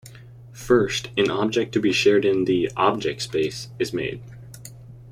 First, an object to be shared in the "Object Space" is made.